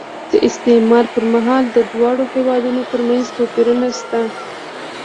د استعمار پر مهال د دواړو هېوادونو ترمنځ توپیرونه شته.